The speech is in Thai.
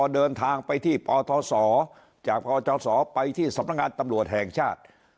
เดินทางไปที่ปทศจากพจศไปที่สำนักงานตำรวจแห่งชาติ